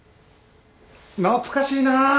懐かしいなあ。